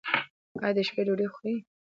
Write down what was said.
ایا د شپې ډوډۍ خورئ؟